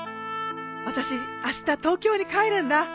私あした東京に帰るんだ。